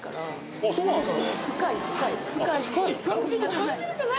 あそうなんすか？